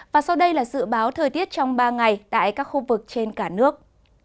và sau đây là dự báo thời tiết trong ba ngày tại các khu vực trên cả nước